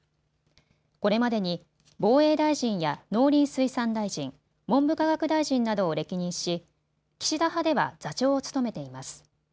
これまでに防衛大臣や農林水産大臣、文部科学大臣などを歴任し岸田派では座長を務めています。